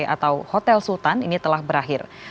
atau hotel sultan ini telah berakhir